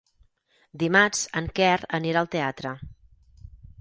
Dimarts en Quer anirà al teatre.